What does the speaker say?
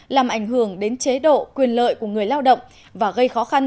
làm ảnh hưởng đến chế độ quyền lợi của người lao động và gây khó khăn